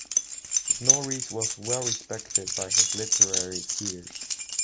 Norris was well respected by his literary peers.